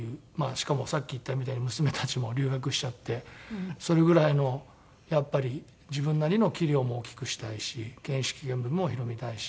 しかもさっき言ったみたいに娘たちも留学しちゃってそれぐらいのやっぱり自分なりの器量も大きくしたいし見識見聞も広めたいし。